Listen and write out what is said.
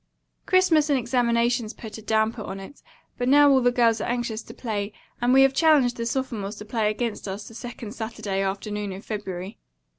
"Christmas and examinations put a damper on it, but now all the girls are anxious to play and we have challenged the sophomores to play against us the second Saturday afternoon in February.